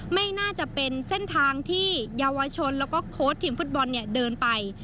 ไม่น่าจะเป็นเส้นทางที่เยาวชนแล้วก็โค้ดทีมฟุตบอลเนี่ยเดินไป